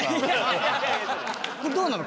どうなの？